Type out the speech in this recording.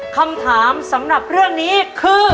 คำถามสำหรับเรื่องนี้คือ